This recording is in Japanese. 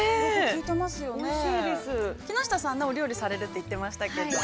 ◆木下さん、お料理されるって言ってましたけど。